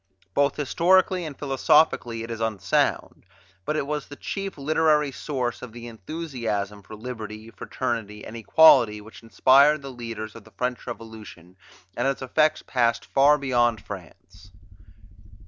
Both historically and philosophically it is unsound; but it was the chief literary source of the enthusiasm for liberty, fraternity, and equality, which inspired the leaders of the French Revolution, and its effects passed far beyond France.